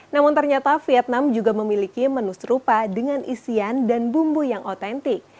namun ternyata vietnam juga memiliki menu serupa dengan isian dan bumbu yang otentik